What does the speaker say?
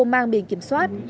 mang biển kiểm soát